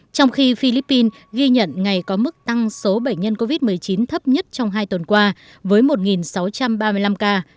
trong khi philippines ghi nhận ngày có mức tăng số bệnh nhân covid một mươi chín thấp nhất trong hai tuần qua với một sáu trăm ba mươi năm ca